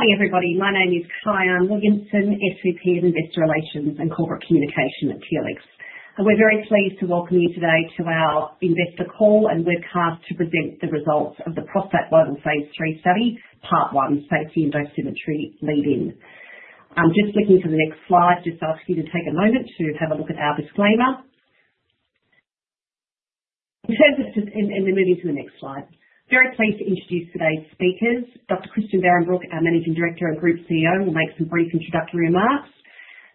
Morning, everybody. My name is Kyahn Williamson, SVP of Investor Relations and Corporate Communications at Telix. We're very pleased to welcome you today to our investor call and webcast to present the results of the ProstACT Global phase III study, Part 1, safety and dosimetry lead-in. I'm just looking to the next slide. Just ask you to take a moment to have a look at our disclaimer. Then moving to the next slide. Very pleased to introduce today's speakers. Dr. Christian Behrenbruch, our Managing Director and Group CEO, will make some brief introductory remarks.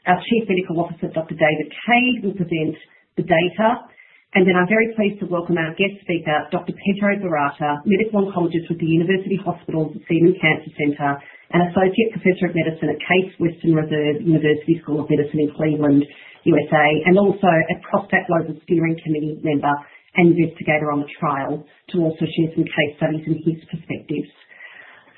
Our Chief Medical Officer, Dr. David Cade, will present the data. Then I'm very pleased to welcome our guest speaker, Dr. Pedro Barata, Medical Oncologist with the University Hospitals Seidman Cancer Center, and Associate Professor of Medicine at Case Western Reserve University School of Medicine in Cleveland, U.S.A., and also a ProstACT Global Steering Committee member and investigator on the trial to also share some case studies and his perspectives.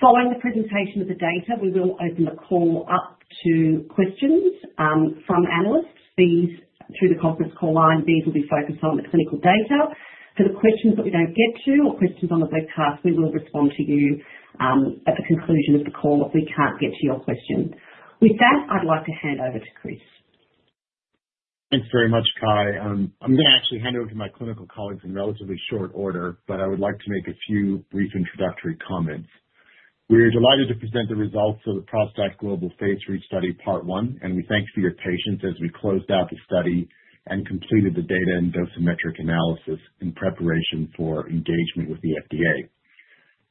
Following the presentation of the data, we will open the call up to questions from analysts. These through the conference call line. These will be focused on the clinical data. For the questions that we don't get to or questions on the webcast, we will respond to you at the conclusion of the call if we can't get to your question. With that, I'd like to hand over to Chris. Thanks very much, Ky. I'm gonna actually hand over to my clinical colleagues in relatively short order, but I would like to make a few brief introductory comments. We're delighted to present the results of the ProstACT Global phase III study Part 1, and we thank you for your patience as we closed out the study and completed the data and dosimetric analysis in preparation for engagement with the FDA.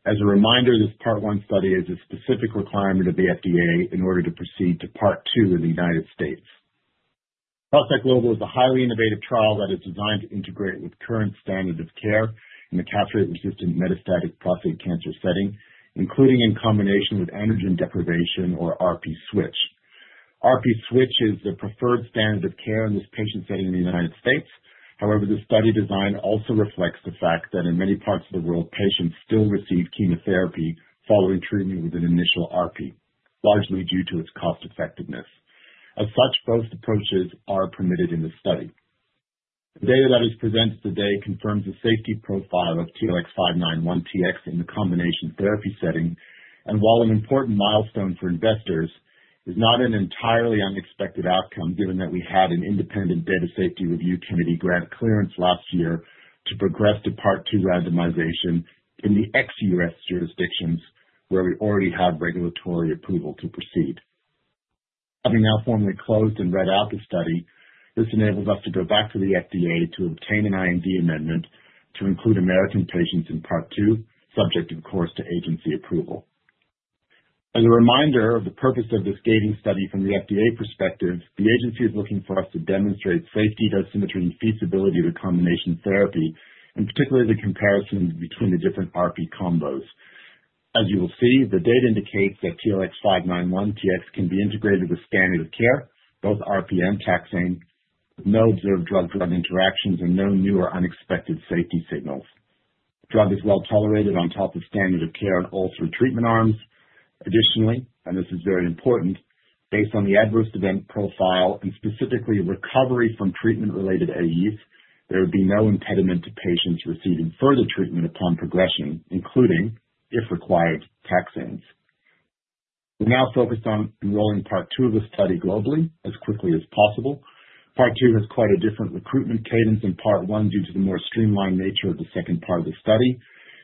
As a reminder, this Part 1 study is a specific requirement of the FDA in order to proceed to Part 2 in the United States. ProstACT Global is a highly innovative trial that is designed to integrate with current standard of care in the castration-resistant metastatic prostate cancer setting, including in combination with androgen deprivation or ARPI switch. ARPI switch is the preferred standard of care in this patient setting in the United States. However, this study design also reflects the fact that in many parts of the world, patients still receive chemotherapy following treatment with an initial ARPI, largely due to its cost-effectiveness. As such, both approaches are permitted in this study. The data that is presented today confirms the safety profile of TLX591-Tx in the combination therapy setting, and while an important milestone for investors, is not an entirely unexpected outcome given that we had an independent data safety review committee grant clearance last year to progress to Part 2 randomization in the ex-U.S. jurisdictions where we already have regulatory approval to proceed. Having now formally closed and read out the study, this enables us to go back to the FDA to obtain an IND amendment to include American patients in Part 2, subject, of course, to agency approval. As a reminder of the purpose of this gating study from the FDA perspective, the agency is looking for us to demonstrate safety, dosimetry, and feasibility with combination therapy, and particularly the comparisons between the different ARPI combos. As you will see, the data indicates that TLX591-Tx can be integrated with standard of care, both ARPI and taxane, no observed drug-drug interactions, and no new or unexpected safety signals. Drug is well-tolerated on top of standard of care in all three treatment arms. Additionally, and this is very important, based on the adverse event profile and specifically recovery from treatment-related AEs, there would be no impediment to patients receiving further treatment upon progression, including, if required, taxanes. We're now focused on enrolling Part 2 of the study globally as quickly as possible. Part 2 has quite a different recruitment cadence than Part 1 due to the more streamlined nature of the second part of the study.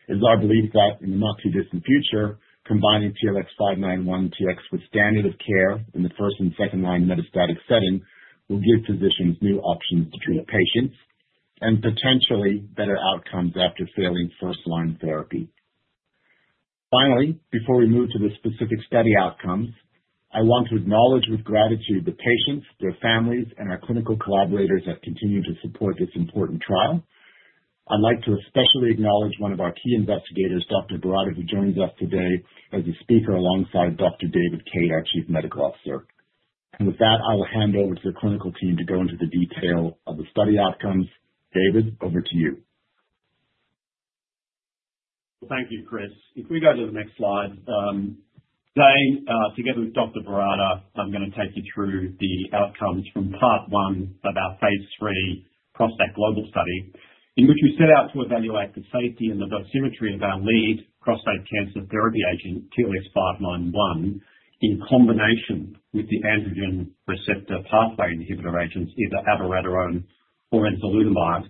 It is our belief that in the not-too-distant future, combining TLX591-Tx with standard of care in the first and second-line metastatic setting will give physicians new options to treat patients and potentially better outcomes after failing first-line therapy. Finally, before we move to the specific study outcomes, I want to acknowledge with gratitude the patients, their families, and our clinical collaborators that continue to support this important trial. I'd like to especially acknowledge one of our key investigators, Dr. Barata, who joins us today as a speaker alongside Dr. David Cade, our Chief Medical Officer. With that, I will hand over to the clinical team to go into the detail of the study outcomes. David, over to you. Thank you, Chris. If we go to the next slide, today, together with Dr. Barata, I'm gonna take you through the outcomes from Part 1 of our phase III ProstACT Global study, in which we set out to evaluate the safety and the dosimetry of our lead prostate cancer therapy agent, TLX591, in combination with the androgen receptor pathway inhibitor agents, either abiraterone or enzalutamide,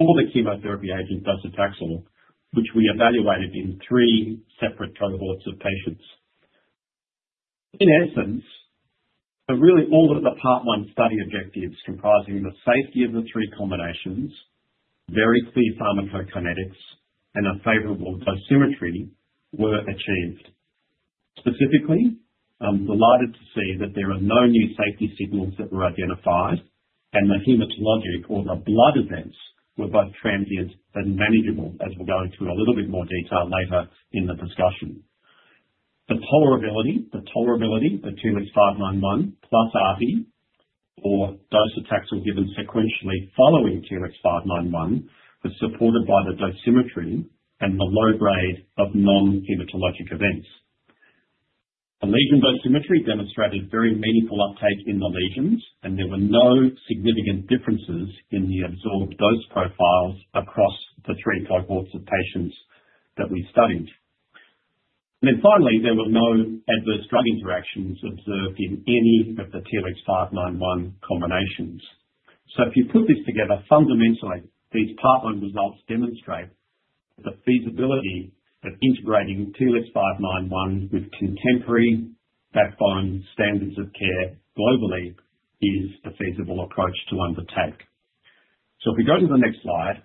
or the chemotherapy agent docetaxel, which we evaluated in three separate cohorts of patients. In essence, really all of the Part 1 study objectives comprising the safety of the three combinations, very clear pharmacokinetics, and a favorable dosimetry were achieved. Specifically, I'm delighted to see that there are no new safety signals that were identified, and the hematologic or the blood events were both transient and manageable, as we'll go into a little bit more detail later in the discussion. The tolerability of TLX591 plus ARPI or docetaxel given sequentially following TLX591 was supported by the dosimetry and the low grade of non-hematologic events. The lesion dosimetry demonstrated very meaningful uptake in the lesions, and there were no significant differences in the absorbed dose profiles across the three cohorts of patients that we studied. Finally, there were no adverse drug interactions observed in any of the TLX591 combinations. If you put this together fundamentally, these Part 1 results demonstrate the feasibility of integrating TLX591 with contemporary backbone standards of care globally is a feasible approach to undertake. If we go to the next slide.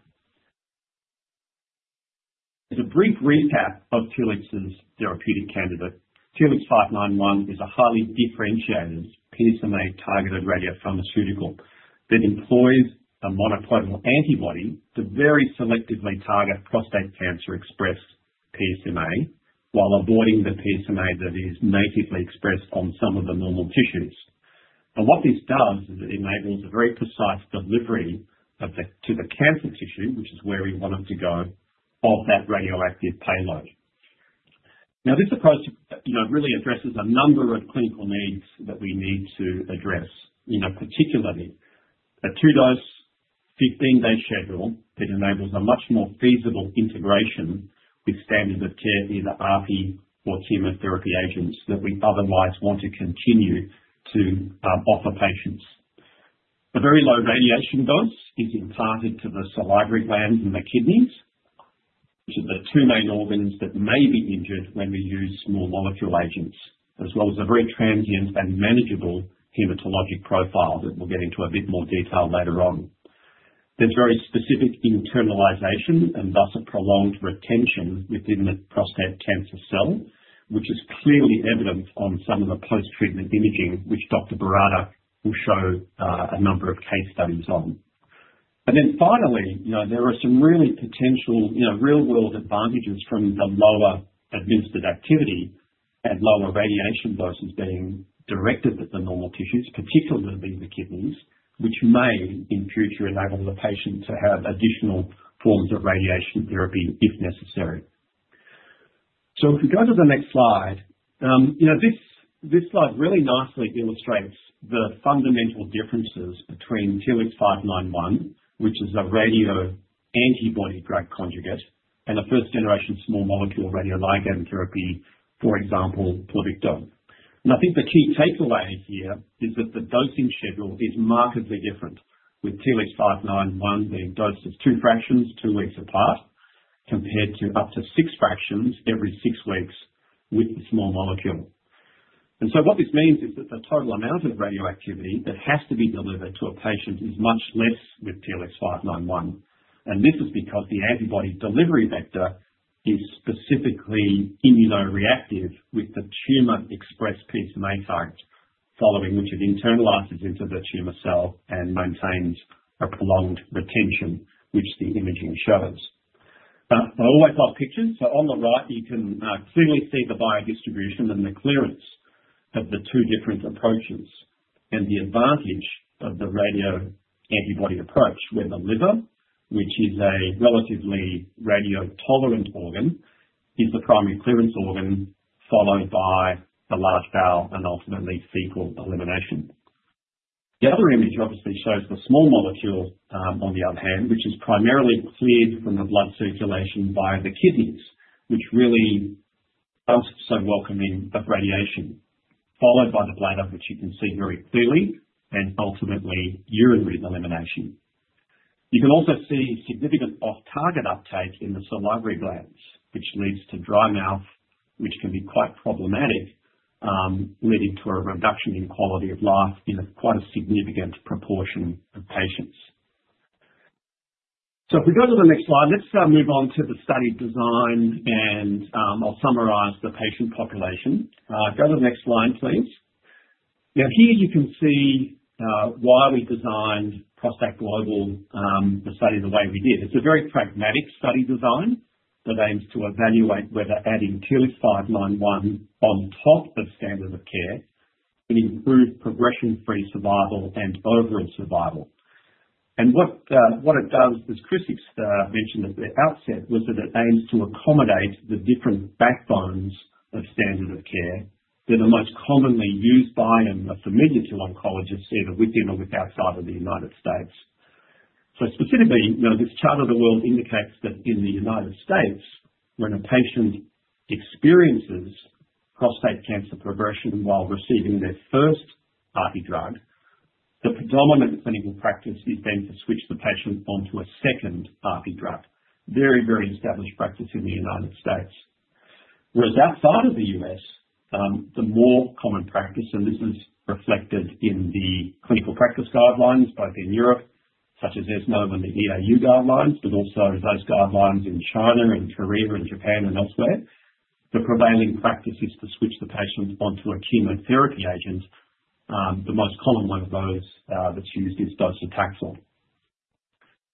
As a brief recap of Telix's therapeutic candidate, TLX591 is a highly differentiated PSMA targeted radiopharmaceutical that employs a monoclonal antibody to very selectively target prostate cancer express PSMA while avoiding the PSMA that is natively expressed on some of the normal tissues. What this does is it enables a very precise delivery of the, to the cancer tissue, which is where we want it to go, of that radioactive payload. Now this approach, you know, really addresses a number of clinical needs that we need to address. You know, particularly a 2-dose 15-day schedule that enables a much more feasible integration with standard of care, either ARPI or chemotherapy agents that we otherwise want to continue to, offer patients. A very low radiation dose is imparted to the salivary glands and the kidneys, which are the two main organs that may be injured when we use small molecule agents, as well as a very transient and manageable hematologic profile that we'll get into a bit more detail later on. There's very specific internalization and thus a prolonged retention within the prostate cancer cell, which is clearly evident on some of the post-treatment imaging which Dr. Barata will show, a number of case studies on. Finally, you know, there are some real potential, you know, real-world advantages from the lower administered activity and lower radiation doses being directed at the normal tissues, particularly the kidneys, which may in future enable the patient to have additional forms of radiation therapy if necessary. If you go to the next slide, you know this slide really nicely illustrates the fundamental differences between TLX591, which is a radio antibody-drug conjugate, and a first-generation small molecule radioligand therapy, for example, Pluvicto. I think the key takeaway here is that the dosing schedule is markedly different, with TLX591 being dosed as two fractions two weeks apart, compared to up to six fractions every six weeks with the small molecule. What this means is that the total amount of radioactivity that has to be delivered to a patient is much less with TLX591. This is because the antibody delivery vector is specifically immunoreactive with the tumor-expressed PSMA site, following which it internalizes into the tumor cell and maintains a prolonged retention, which the imaging shows. I always like pictures, so on the right you can clearly see the biodistribution and the clearance of the two different approaches and the advantage of the radio antibody approach, where the liver, which is a relatively radiotolerant organ, is the primary clearance organ, followed by the large bowel and ultimately fecal elimination. The other image obviously shows the small molecule on the other hand, which is primarily cleared from the blood circulation via the kidneys, which really aren't so welcoming of radiation, followed by the bladder, which you can see very clearly, and ultimately urinary elimination. You can also see significant off-target uptake in the salivary glands, which leads to dry mouth, which can be quite problematic, leading to a reduction in quality of life in a quite a significant proportion of patients. If we go to the next slide, let's move on to the study design and I'll summarize the patient population. Go to the next slide, please. Now here you can see why we designed ProstACT Global, the study the way we did. It's a very pragmatic study design that aims to evaluate whether adding TLX591 on top of standard of care can improve progression-free survival and overall survival. What it does, as Chris mentioned at the outset, was that it aims to accommodate the different backbones of standard of care that are most commonly used by and are familiar to oncologists either within or outside of the United States. Specifically, you know, this chart of the world indicates that in the United States, when a patient experiences prostate cancer progression while receiving their first ARPI drug, the predominant clinical practice is then to switch the patient onto a second ARPI drug. Very, very established practice in the United States. Whereas outside of the U.S., the more common practice, and this is reflected in the clinical practice guidelines both in Europe, such as ESMO and the EAU guidelines, but also those guidelines in China and Korea and Japan and elsewhere. The prevailing practice is to switch the patient onto a chemotherapy agent. The most common one of those, that's used is docetaxel.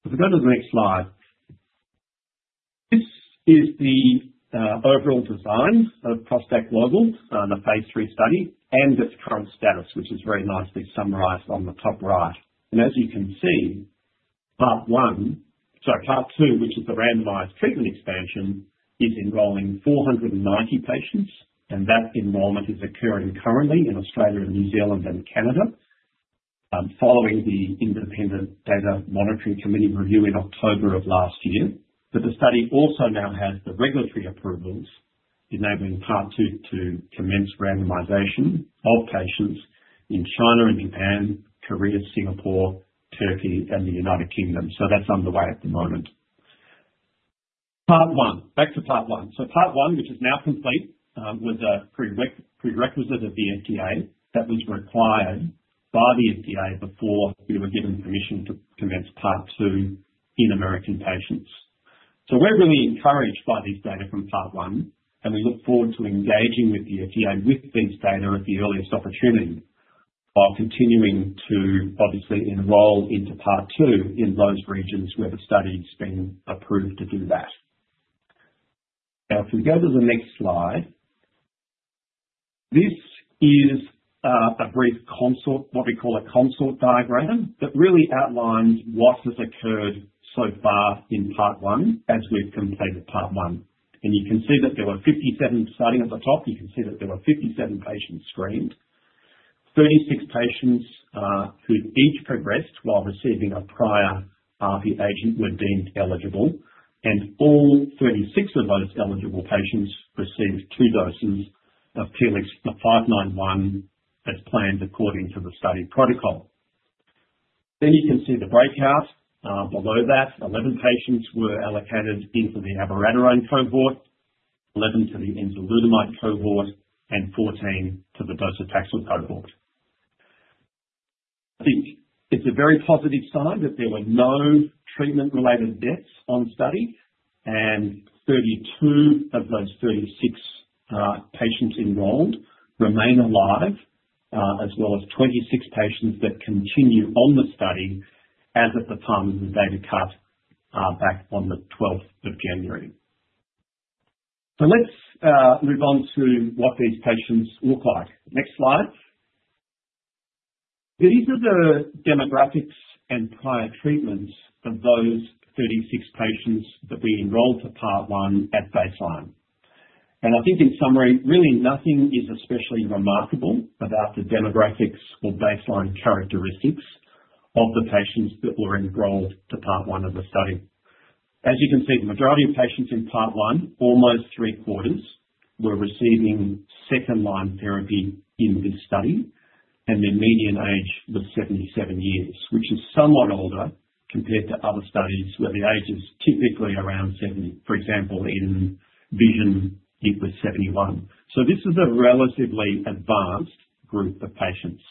If we go to the next slide. This is the, overall design of ProstACT Global, the phase III study and its current status, which is very nicely summarized on the top right. As you can see, Part 1. Sorry, Part 2, which is the randomized treatment expansion, is enrolling 490 patients, and that enrollment is occurring currently in Australia and New Zealand and Canada. Following the independent data monitoring committee review in October of last year, that the study also now has the regulatory approvals enabling Part 2 to commence randomization of patients in China and Japan, Korea, Singapore, Turkey, and the United Kingdom. That's underway at the moment. Part 1. Back to Part 1. Part 1, which is now complete, was a prerequisite of the FDA that was required by the FDA before we were given permission to commence Part 2 in American patients. We're really encouraged by this data from Part 1, and we look forward to engaging with the FDA with this data at the earliest opportunity, while continuing to obviously enroll into Part 2 in those regions where the study's been approved to do that. Now, if we go to the next slide. This is a brief CONSORT, what we call a CONSORT diagram, that really outlines what has occurred so far in Part 1 as we've completed Part 1. You can see that, starting at the top, there were 57 patients screened. 36 patients who each progressed while receiving a prior ARPI agent were deemed eligible, and all 36 of those eligible patients received 2 doses of TLX591 as planned according to the study protocol. You can see the breakout below that. 11 patients were allocated into the abiraterone cohort, 11 to the enzalutamide cohort, and 14 to the docetaxel cohort. I think it's a very positive sign that there were no treatment-related deaths on study, and 32 of those 36 patients enrolled remain alive, as well as 26 patients that continue on the study as at the time of the data cut, back on the 12th of January. Let's move on to what these patients look like. Next slide. These are the demographics and prior treatments of those 36 patients that we enrolled for Part 1 at baseline. I think in summary, really nothing is especially remarkable about the demographics or baseline characteristics of the patients that were enrolled to Part 1 of the study. As you can see, the majority of patients in Part 1, almost 3/4, were receiving second-line therapy in this study, and their median age was 77 years, which is somewhat older compared to other studies where the age is typically around 70. For example, in VISION, it was 71. This is a relatively advanced group of patients.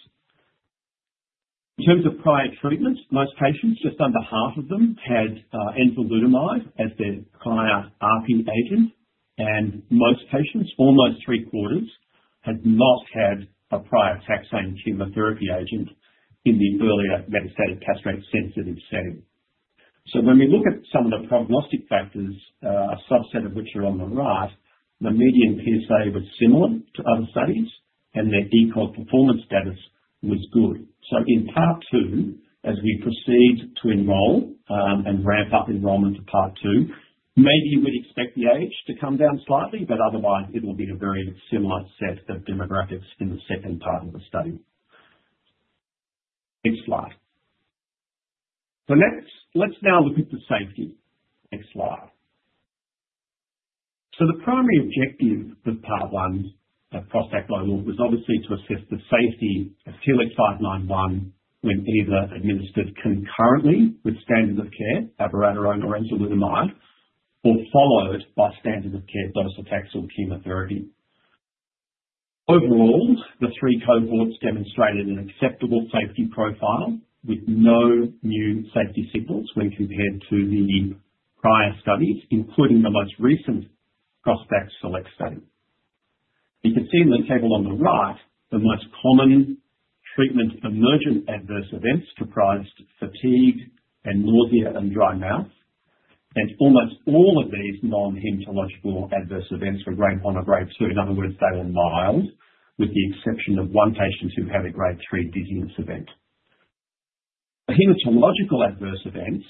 In terms of prior treatments, most patients, just under half of them, had enzalutamide as their prior ARPI agent. Most patients, almost three-quarters, had not had a prior taxane chemotherapy agent in the earlier metastatic castration-sensitive setting. When we look at some of the prognostic factors, a subset of which are on the right, the median PSA was similar to other studies and their ECOG performance status was good. In Part 2, as we proceed to enroll, and ramp up enrollment to Part 2, maybe we'd expect the age to come down slightly, but otherwise it'll be a very similar set of demographics in the second part of the study. Next slide. Let's now look at the safety. Next slide. The primary objective of Part 1 of ProstACT Global was obviously to assess the safety of TLX591 when either administered concurrently with standard of care, abiraterone or enzalutamide, or followed by standard of care docetaxel chemotherapy. Overall, the three cohorts demonstrated an acceptable safety profile with no new safety signals when compared to the prior studies, including the most recent ProstACT SELECT study. You can see in the table on the right the most common treatment emergent adverse events comprised fatigue and nausea and dry mouth. Almost all of these non-hematologic adverse events were Grade 1 or Grade 2. In other words, they were mild, with the exception of one patient who had a Grade 3 dizziness event. The hematologic adverse events,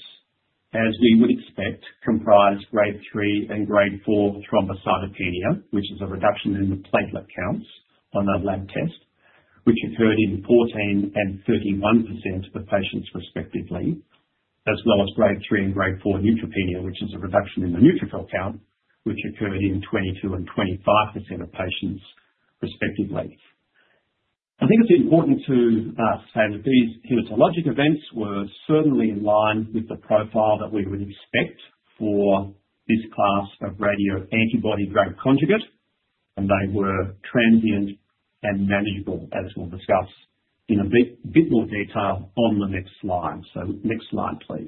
as we would expect, comprised Grade 3 and Grade 4 thrombocytopenia, which is a reduction in the platelet counts on a lab test, which occurred in 14% and 31% of the patients respectively. As well as Grade 3 and Grade 4 neutropenia, which is a reduction in the neutrophil count, which occurred in 22% and 25% of patients respectively. I think it's important to say that these hematologic events were certainly in line with the profile that we would expect for this class of radio antibody-drug conjugate, and they were transient and manageable, as we'll discuss in a bit more detail on the next slide. Next slide, please.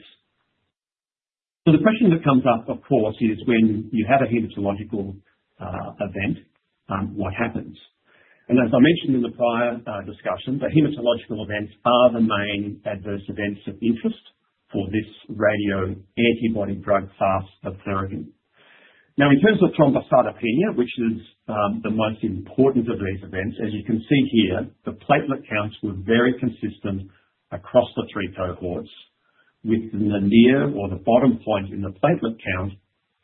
The question that comes up, of course, is when you have a hematological event, what happens? As I mentioned in the prior discussion, the hematological events are the main adverse events of interest for this radio antibody drug class of therapy. Now, in terms of thrombocytopenia, which is the most important of these events, as you can see here, the platelet counts were very consistent across the three cohorts. With the nadir or the bottom point in the platelet count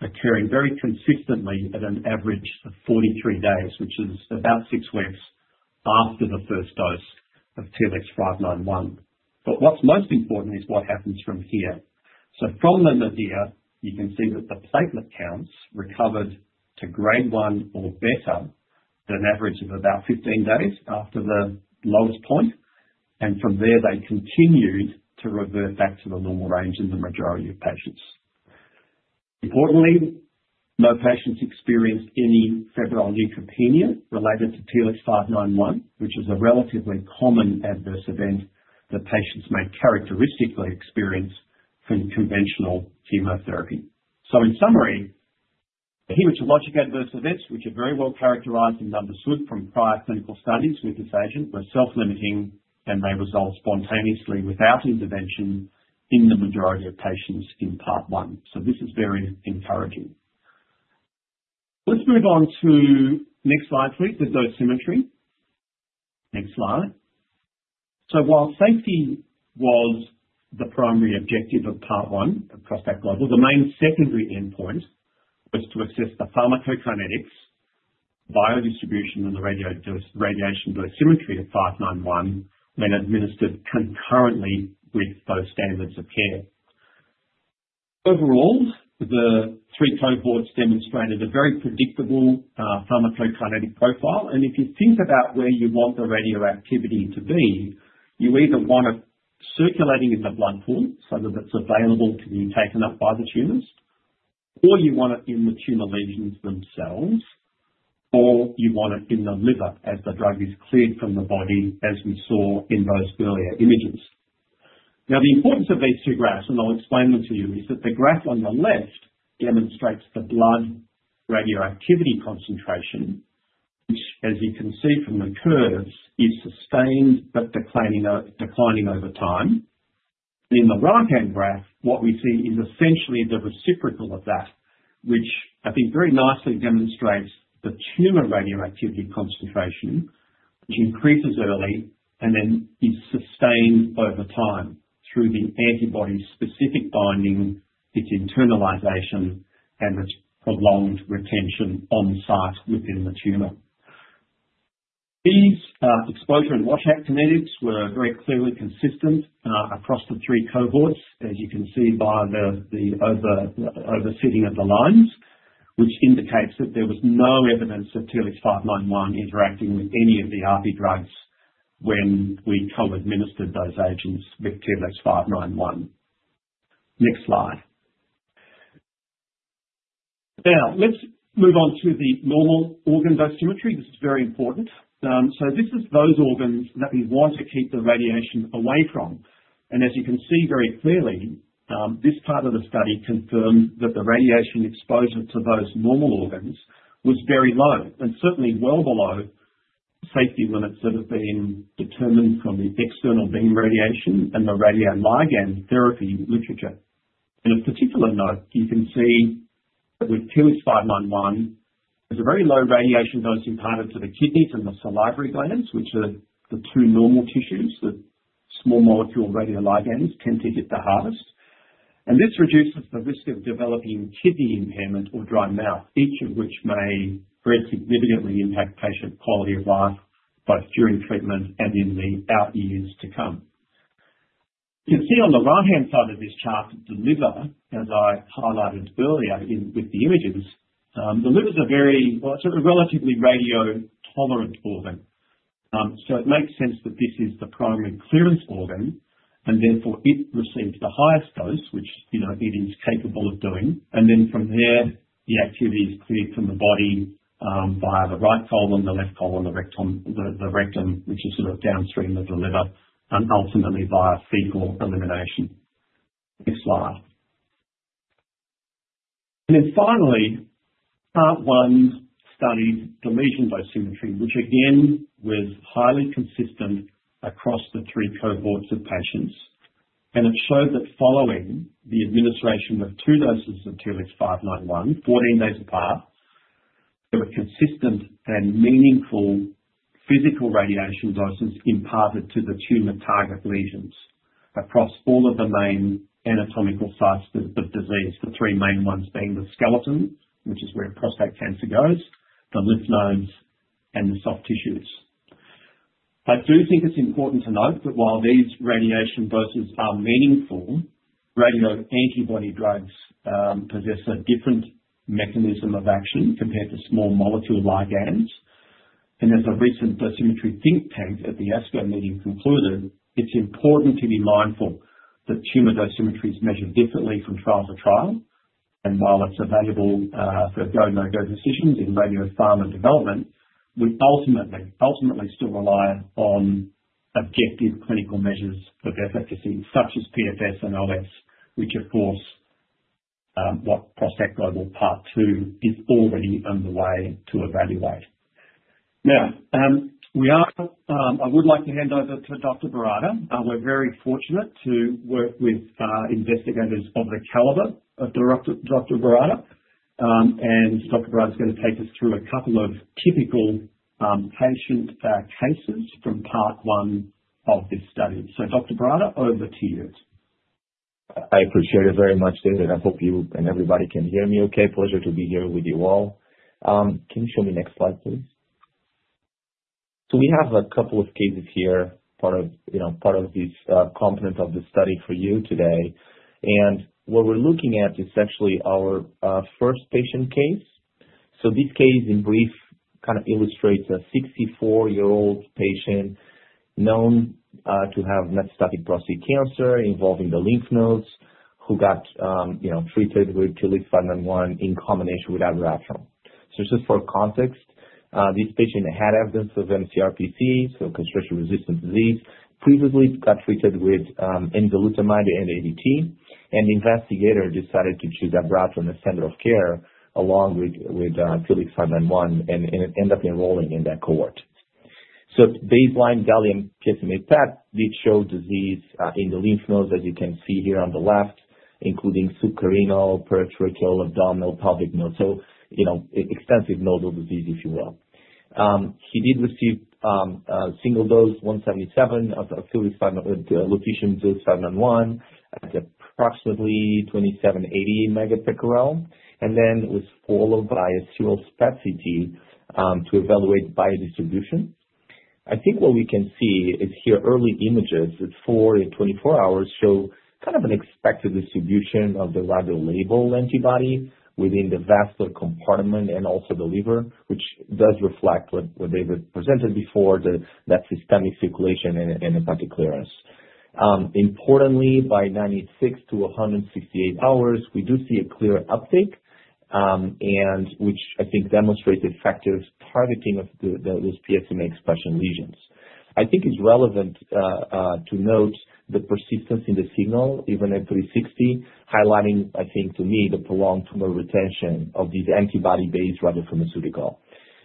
occurring very consistently at an average of 43 days, which is about six weeks after the first dose of TLX591. What's most important is what happens from here. From the nadir, you can see that the platelet counts recovered to Grade 1 or better at an average of about 15 days after the lowest point. From there they continued to revert back to the normal range in the majority of patients. Importantly, no patients experienced any febrile neutropenia related to TLX591, which is a relatively common adverse event that patients may characteristically experience from conventional chemotherapy. In summary, the hematologic adverse events, which are very well characterized and understood from prior clinical studies with this agent, were self-limiting and may resolve spontaneously without intervention in the majority of patients in Part 1. This is very encouraging. Let's move on to next slide, please, the dosimetry. Next slide. While safety was the primary objective of Part 1 of ProstACT Global, the main secondary endpoint was to assess the pharmacokinetics, biodistribution, and the radiation dosimetry of TLX591 when administered concurrently with those standards of care. Overall, the three cohorts demonstrated a very predictable pharmacokinetic profile. If you think about where you want the radioactivity to be, you either want it circulating in the blood pool so that it's available to be taken up by the tumors. You want it in the tumor lesions themselves, or you want it in the liver as the drug is cleared from the body, as we saw in those earlier images. Now, the importance of these two graphs, and I'll explain them to you, is that the graph on the left demonstrates the blood radioactivity concentration, which as you can see from the curves, is sustained but declining over time. In the right-hand graph, what we see is essentially the reciprocal of that, which I think very nicely demonstrates the tumor radioactivity concentration, which increases early and then is sustained over time through the antibody's specific binding, its internalization, and its prolonged retention on site within the tumor. These, exposure and washout kinetics were very clearly consistent across the three cohorts, as you can see by the oversitting of the lines, which indicates that there was no evidence of TLX591 interacting with any of the ARPI drugs when we co-administered those agents with TLX591. Next slide. Now, let's move on to the normal organ dosimetry. This is very important. This is those organs that we want to keep the radiation away from. As you can see very clearly, this part of the study confirms that the radiation exposure to those normal organs was very low and certainly well below safety limits that have been determined from the external beam radiation and the radioligand therapy literature. In a particular note, you can see that with TLX591, there's a very low radiation dose imparted to the kidneys and the salivary glands, which are the two normal tissues that small molecule radioligands tend to hit the hardest. This reduces the risk of developing kidney impairment or dry mouth, each of which may vary significantly impact patient quality of life, both during treatment and in the out years to come. You can see on the right-hand side of this chart, the liver, as I highlighted earlier with the images. Well, it's a relatively radio tolerant organ. It makes sense that this is the primary clearance organ and therefore it receives the highest dose, which, you know, it is capable of doing. From there, the activity is cleared from the body via the right colon, the left colon, the rectum, which is sort of downstream of the liver, and ultimately via fecal elimination. Next slide. Finally, Part 1 studied the lesion dosimetry, which again was highly consistent across the three cohorts of patients. It showed that following the administration of two doses of TLX591 14 days apart, there were consistent and meaningful physical radiation doses imparted to the tumor target lesions across all of the main anatomical sites of disease, the three main ones being the skeleton, which is where prostate cancer goes, the lymph nodes, and the soft tissues. I do think it's important to note that while these radiation doses are meaningful, radio antibody drugs possess a different mechanism of action compared to small molecule ligands. As a recent dosimetry think tank at the ASCO meeting concluded, it's important to be mindful that tumor dosimetry is measured differently from trial to trial. While it's available for go/no-go decisions in radiopharma development, we ultimately still rely on objective clinical measures of efficacy such as PFS and OS, which of course what ProstACT Global Part 2 is already underway to evaluate. Now, I would like to hand over to Dr. Barata. We're very fortunate to work with investigators of the caliber of Dr. Barata. Dr. Barata is gonna take us through a couple of typical patient cases from Part 1 of this study. Dr. Barata, over to you. I appreciate it very much, David. I hope you and everybody can hear me okay. Pleasure to be here with you all. Can you show me next slide, please? We have a couple of cases here, part of this component of the study for you today. What we're looking at is actually our first patient case. This case, in brief, kind of illustrates a 64-year-old patient known to have metastatic prostate cancer involving the lymph nodes who got treated with TLX591 in combination with abiraterone. Just for context, this patient had evidence of mCRPC, so castration-resistant disease. Previously got treated with enzalutamide and ADT, and the investigator decided to choose abiraterone as standard of care along with TLX591 and end up enrolling in that cohort. Baseline gallium PSMA PET did show disease in the lymph nodes, as you can see here on the left, including subcarinal, para-tracheal, abdominal, pelvic lymph nodes. You know, extensive nodal disease, if you will. He did receive a single dose of 177Lu-TLX591 at approximately 2,780 MBq, and then was followed by a serial SPECT to evaluate biodistribution. I think what we can see is here early images at four and 24 hours show kind of an expected distribution of the radiolabeled antibody within the vascular compartment and also the liver, which does reflect what David presented before, that systemic circulation and hepatic clearance. Importantly, by 96-168 hours, we do see a clear uptake, and which I think demonstrates effective targeting of the PSMA expression lesions. I think it's relevant to note the persistence in the signal even at 360, highlighting, I think, to me, the prolonged tumor retention of this antibody-based radiopharmaceutical.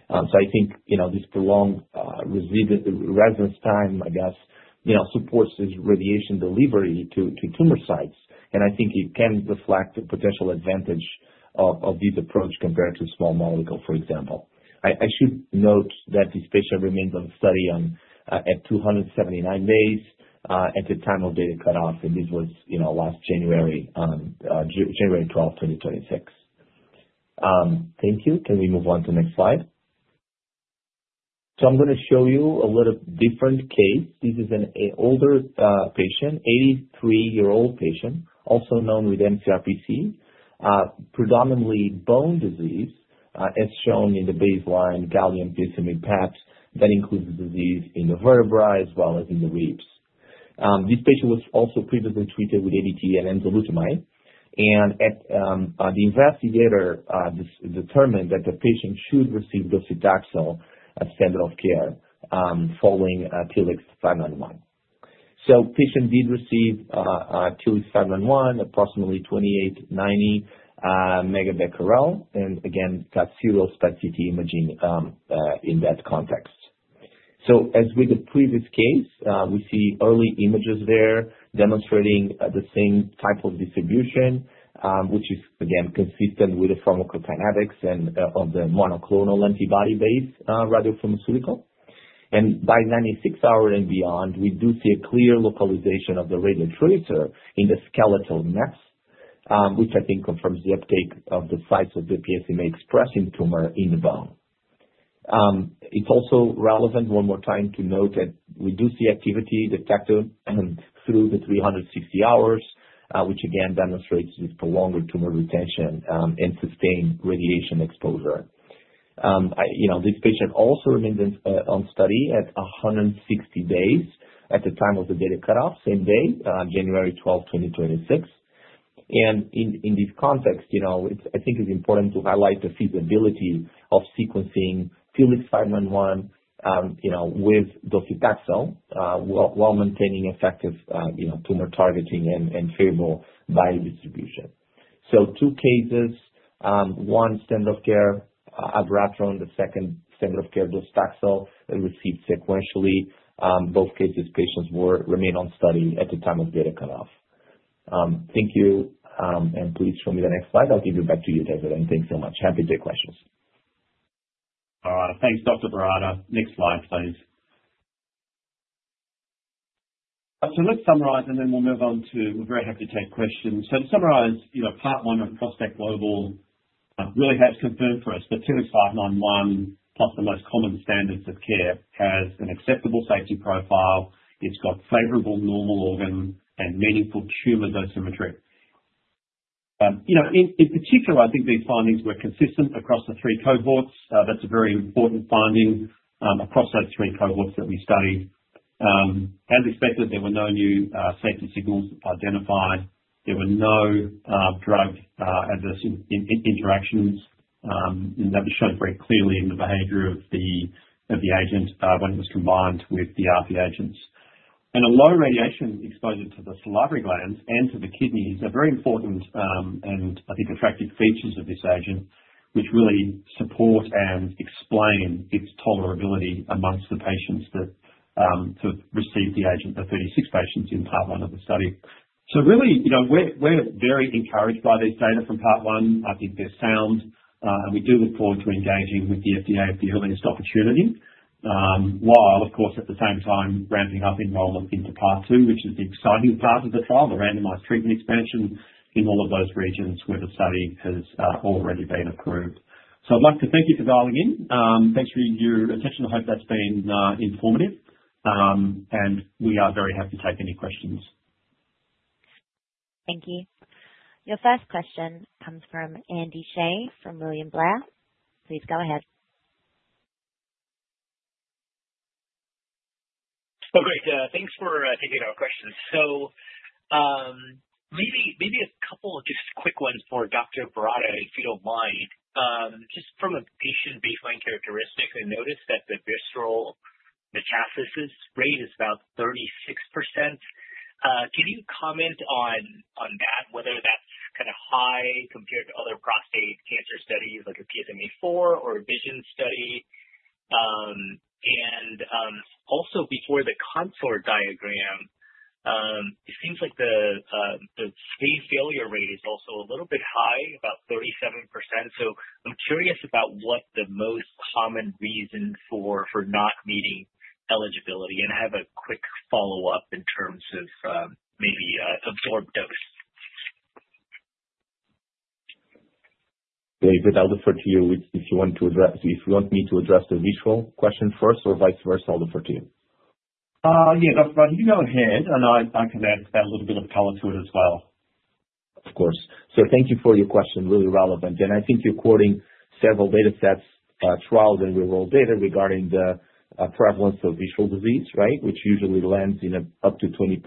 So I think, you know, this prolonged residence time, I guess, you know, supports this radiation delivery to tumor sites, and I think it can reflect the potential advantage of this approach compared to small molecule, for example. I should note that this patient remains on study at 279 days at the time of data cutoff, and this was, you know, last January 12, 2026. Thank you. Can we move on to next slide? I'm gonna show you a little different case. This is an older patient, 83-year-old patient, also known with mCRPC. Predominantly bone disease, as shown in the baseline gallium PSMA PET that includes the disease in the vertebrae as well as in the ribs. This patient was also previously treated with ADT and enzalutamide and at, the investigator determined that the patient should receive docetaxel as standard of care, following TLX591. Patient did receive TLX591, approximately 2,890 MBq, and again, got serial SPECT imaging in that context. As with the previous case, we see early images there demonstrating the same type of distribution, which is again consistent with the pharmacokinetics and of the monoclonal antibody-based radiopharmaceutical. By 96 hours and beyond, we do see a clear localization of the radiotracer in the skeletal mets, which I think confirms the uptake of the sites of the PSMA-expressing tumor in the bone. It's also relevant one more time to note that we do see activity detected through the 360 hours, which again demonstrates this prolonged tumor retention, and sustained radiation exposure. You know, this patient also remains on study at 160 days at the time of the data cutoff, same day, January 12, 2026. In this context, you know, it's, I think, important to highlight the feasibility of sequencing TLX591, you know, with docetaxel, while maintaining effective, you know, tumor targeting and favorable biodistribution. Two cases, one standard of care, abiraterone the second standard of care docetaxel, they received sequentially. Both cases, patients remained on study at the time of data cutoff. Thank you, and please show me the next slide. I'll give it back to you, David, and thanks so much. Happy to take questions. All right. Thanks, Dr. Barata. Next slide, please. Let's summarize and then we'll move on to we're very happy to take questions. To summarize, you know, Part 1 of ProstACT Global really has confirmed for us that TLX591 plus the most common standards of care has an acceptable safety profile. It's got favorable normal organ and meaningful tumor dosimetry. You know, in particular, I think these findings were consistent across the three cohorts. That's a very important finding across those three cohorts that we studied. As expected, there were no new safety signals identified. There were no drug adverse interactions, and that was shown very clearly in the behavior of the agent when it was combined with the ARPI agents. A low radiation exposure to the salivary glands and to the kidneys are very important, and I think attractive features of this agent, which really support and explain its tolerability among the patients that sort of received the agent, the 36 patients in Part 1 of the study. Really, you know, we're very encouraged by this data from Part 1. I think they're sound, and we do look forward to engaging with the FDA at the earliest opportunity, while of course, at the same time ramping up enrollment into Part 2, which is the exciting part of the trial, the randomized treatment expansion in all of those regions where the study has already been approved. I'd like to thank you for dialing in. Thanks for your attention. I hope that's been informative. We are very happy to take any questions. Thank you. Your first question comes from Andy Hsieh from William Blair. Please go ahead. Oh, great. Thanks for taking our question. Maybe a couple of just quick ones for Dr. Barata, if you don't mind. Just from a patient baseline characteristic, I noticed that the visceral metastasis rate is about 36%. Can you comment on that, whether that's kinda high compared to other prostate cancer studies like a PSMAfore or a VISION study? Also before the CONSORT diagram, it seems like the screen failure rate is also a little bit high, about 37%. I'm curious about what the most common reason for not meeting eligibility and have a quick follow-up in terms of maybe absorbed dose. David, I'll defer to you. If you want me to address the visceral question first or vice versa, I'll defer to you. Yeah. Dr. Pedro Barata, you go ahead. I can add a little bit of color to it as well. Of course. Thank you for your question. Really relevant. I think you're quoting several datasets, trials and real-world data regarding the prevalence of visceral disease, right? Which usually lands in up to 20%.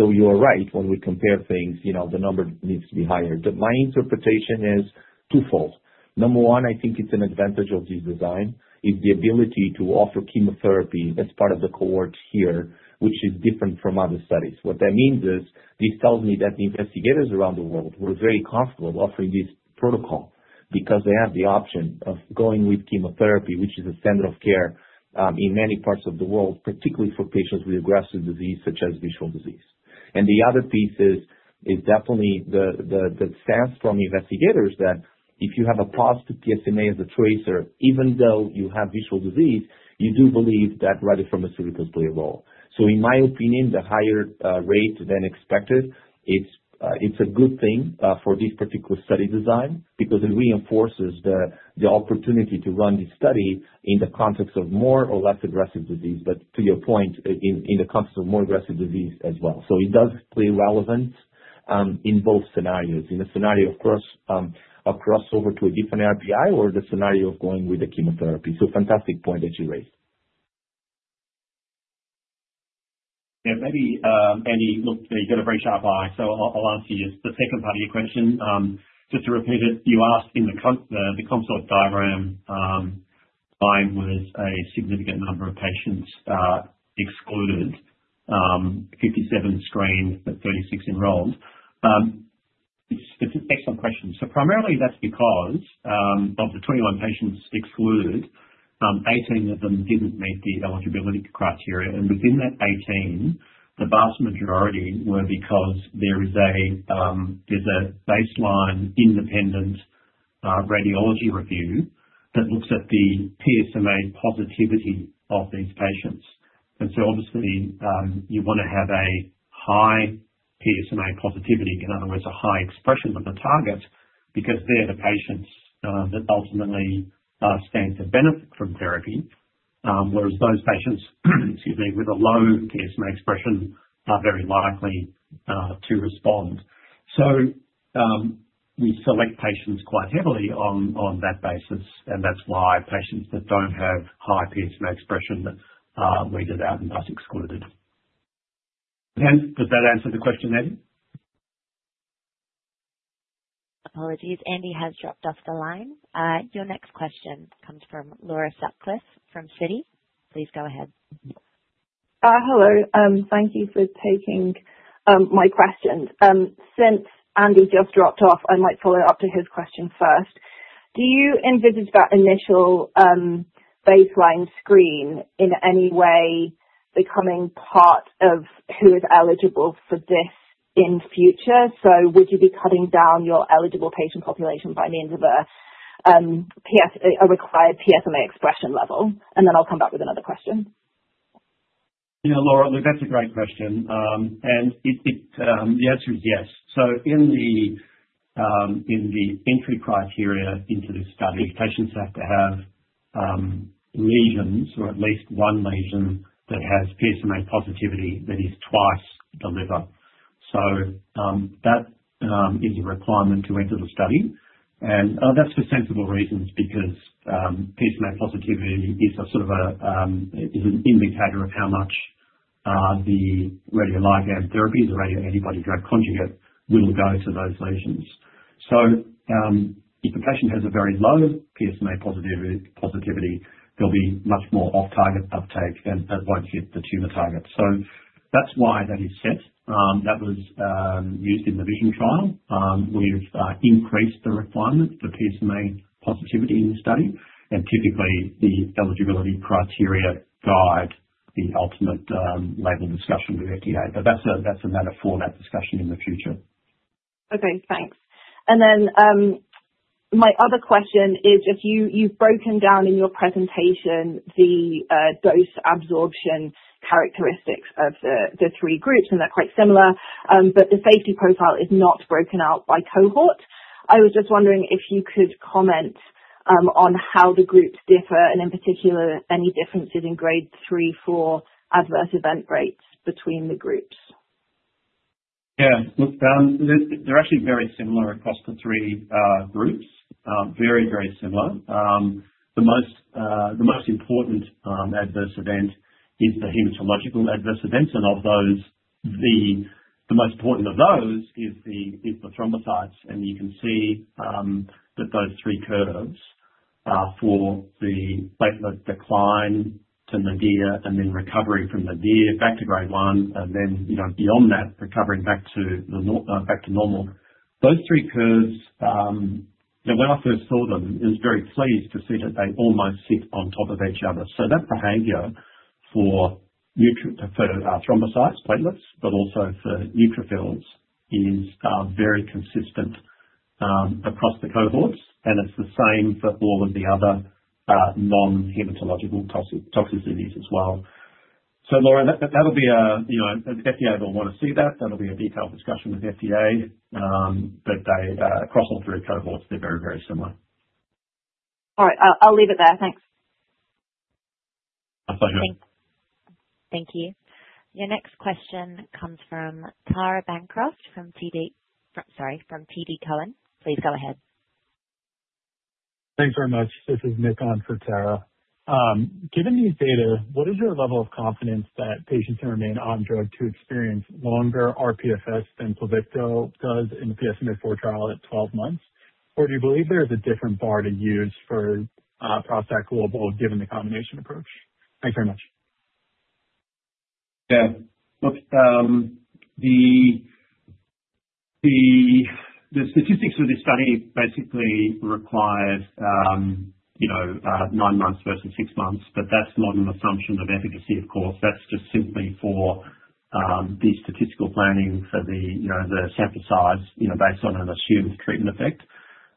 You are right. When we compare things, you know, the number needs to be higher. My interpretation is twofold. Number one, I think it's an advantage of this design, is the ability to offer chemotherapy as part of the cohort here, which is different from other studies. What that means is, this tells me that the investigators around the world were very comfortable offering this protocol because they have the option of going with chemotherapy, which is a standard of care, in many parts of the world, particularly for patients with aggressive disease such as visceral disease. The other piece is definitely the stance from the investigators that if you have a positive PSMA as a tracer, even though you have visceral disease, you do believe that radiopharmaceutical is playable. In my opinion, the higher rate than expected, it's a good thing for this particular study design because it reinforces the opportunity to run this study in the context of more or less aggressive disease, but to your point, in the context of more aggressive disease as well. It does play relevant in both scenarios. In a scenario, of course, a crossover to a different ARPI or the scenario of going with the chemotherapy. Fantastic point that you raised. Yeah. Maybe, Andy, look, you've got a very sharp eye, so I'll answer your the second part of your question. Just to repeat it, you asked in the CONSORT diagram why was a significant number of patients excluded, 57 screened, but 36 enrolled. It's an excellent question. Primarily that's because of the 21 patients excluded, 18 of them didn't meet the eligibility criteria. Within that 18, the vast majority were because there's a baseline independent radiology review that looks at the PSMA positivity of these patients. Obviously, you wanna have a high PSMA positivity, in other words, a high expression of the target because they're the patients that ultimately stand to benefit from therapy. Whereas those patients, excuse me, with a low PSMA expression are very likely to respond. We select patients quite heavily on that basis, and that's why patients that don't have high PSMA expression are weeded out and thus excluded. Does that answer the question, Andy? Apologies. Andy has dropped off the line. Your next question comes from Laura Sutcliffe from Citi. Please go ahead. Hello. Thank you for taking my question. Since Andy just dropped off, I might follow up to his question first. Do you envisage that initial baseline screen in any way becoming part of who is eligible for this in future? Would you be cutting down your eligible patient population by means of a required PSMA expression level? And then I'll come back with another question. You know, Laura, look, that's a great question. The answer is yes. In the entry criteria into the study, patients have to have lesions or at least one lesion that has PSMA positivity that is twice the liver. That is a requirement to enter the study. That's for sensible reasons because PSMA positivity is a sort of an indicator of how much the radioligand therapies, the radio antibody drug conjugate will go to those lesions. If a patient has a very low PSMA positivity, there'll be much more off-target uptake and won't hit the tumor target. That's why that is set. That was used in the VISION trial. We've increased the requirement for PSMA positivity in the study and typically the eligibility criteria guide the ultimate label discussion with FDA. That's a matter for that discussion in the future. Okay, thanks. My other question is if you've broken down in your presentation the dose absorption characteristics of the three groups, and they're quite similar, but the safety profile is not broken out by cohort. I was just wondering if you could comment on how the groups differ and in particular, any differences in Grade 3/4 adverse event rates between the groups. Yeah. Look, they're actually very similar across the three groups. Very similar. The most important adverse event is the hematological adverse events. Of those, the most important of those is the thrombocytes. You can see that those three curves for the platelet decline to nadir and then recovery from nadir back to Grade 1 and then, you know, beyond that, recovering back to normal. Those three curves, you know, when I first saw them, I was very pleased to see that they almost sit on top of each other. That behavior for thrombocytes, platelets, but also for neutrophils, is very consistent across the cohorts, and it's the same for all of the other non-hematological toxicities as well. Laura, that would be a, you know, if FDA would want to see that'll be a detailed discussion with FDA. But they, across all three cohorts, they're very similar. All right. I'll leave it there. Thanks. My pleasure. Thank you. Your next question comes from Tara Bancroft from TD Cowen. Please go ahead. Thanks very much. This is Nick on for Tara. Given these data, what is your level of confidence that patients can remain on drug to experience longer rPFS than Pluvicto does in the PSMAfore trial at 12 months? Or do you believe there is a different bar to use for ProstACT Global given the combination approach? Thanks very much. Yeah. Look, the statistics of this study basically requires, you know, nine months versus six months, but that's not an assumption of efficacy, of course. That's just simply for the statistical planning for the sample size, you know, based on an assumed treatment effect.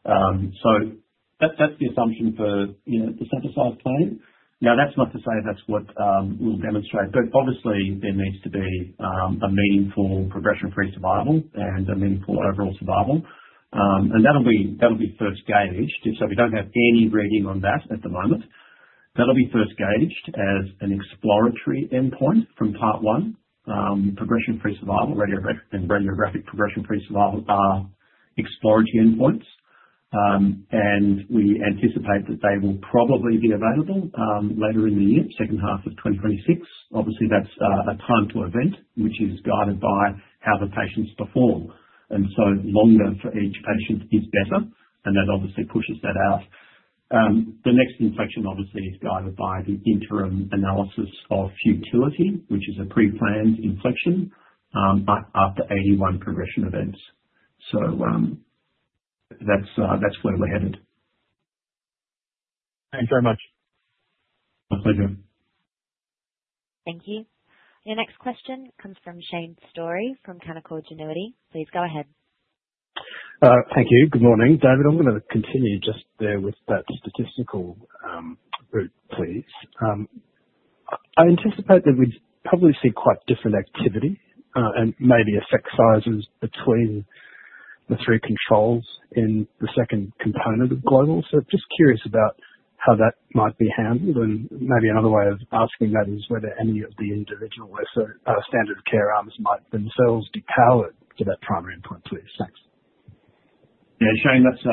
So that's the assumption for the sample size planning. Now, that's not to say that's what we'll demonstrate, but obviously there needs to be a meaningful progression-free survival and a meaningful overall survival. And that'll be first gauged. We don't have any reading on that at the moment. That'll be first gauged as an exploratory endpoint from Part 1. Progression-free survival and radiographic progression-free survival are exploratory endpoints. We anticipate that they will probably be available later in the year, second half of 2026. Obviously, that's a time to event, which is guided by how the patients perform, and so longer for each patient is better, and that obviously pushes that out. The next inflection obviously is guided by the interim analysis of futility, which is a pre-planned inflection, but after 81 progression events. That's where we're headed. Thanks very much. My pleasure. Thank you. Your next question comes from Shane Storey from Canaccord Genuity. Please go ahead. Thank you. Good morning. David, I'm gonna continue just there with that statistical route, please. I anticipate that we'd probably see quite different activity and maybe effect sizes between the three controls in the second component of Global. So just curious about how that might be handled. Maybe another way of asking that is whether any of the individual standard of care arms might themselves overpower to that primary endpoint, please. Thanks. Yeah, Shane. That's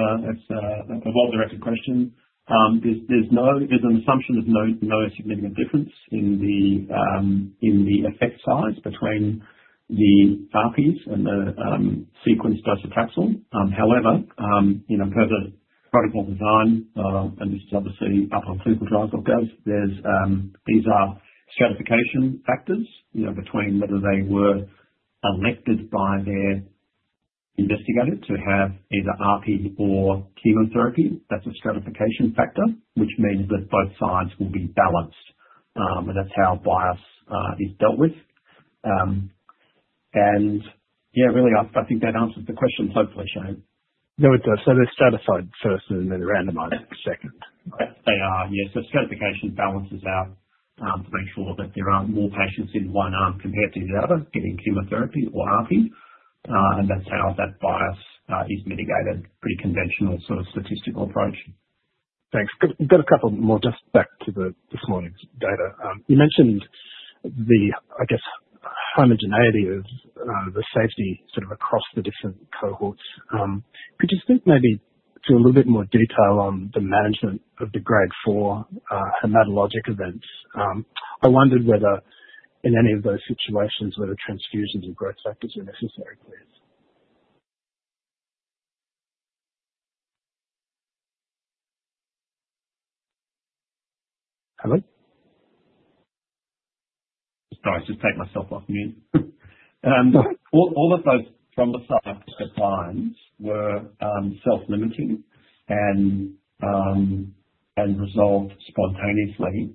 a well-directed question. There's an assumption of no significant difference in the effect size between the ARPIs and the sequenced docetaxel. However, you know, per the protocol design, and this is obviously up on ClinicalTrials.gov. There are these stratification factors, you know, between whether they were selected by their investigator to have either ARPI or chemotherapy. That's a stratification factor, which means that both sides will be balanced, and that's how bias is dealt with. Yeah, really, I think that answers the question, hopefully, Shane. No, it does. They're stratified first and then randomized second. They are, yes. The stratification balances out to make sure that there aren't more patients in one arm compared to the other getting chemotherapy or ARPI, and that's how that bias is mitigated. Pretty conventional sort of statistical approach. Thanks. Got a couple more just back to this morning's data. You mentioned the, I guess- Homogeneity of the safety sort of across the different cohorts. Could you speak maybe to a little bit more detail on the management of the Grade 4 hematologic events? I wondered whether in any of those situations whether transfusions and growth factors were necessary, please. Hello? Sorry, just take myself off mute. All of those thrombocytopenias were self-limiting and resolved spontaneously.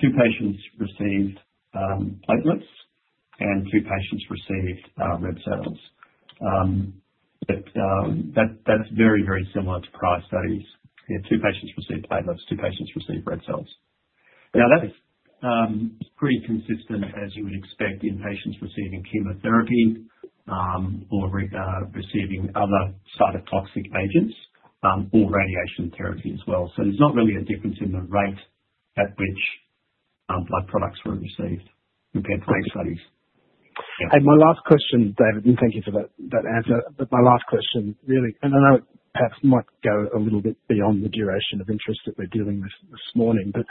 Two patients received platelets, and two patients received red cells. But that that's very similar to prior studies. Yeah, two patients received platelets, two patients received red cells. Now, that is pretty consistent as you would expect in patients receiving chemotherapy or receiving other cytotoxic agents or radiation therapy as well. There's not really a difference in the rate at which blood products were received compared to other studies. Yeah. My last question, David, and thank you for that answer. My last question really and I know it perhaps might go a little bit beyond the duration of interest that we're dealing with this morning, but